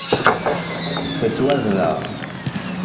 Tettwazdeɣ.